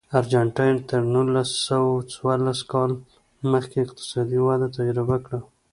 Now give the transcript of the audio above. ارجنټاین تر نولس سوه څوارلس کال مخکې اقتصادي وده تجربه کړه.